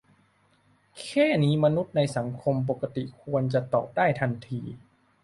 แค่นี้มนุษย์ในสังคมปกติควรจะตอบได้ทันที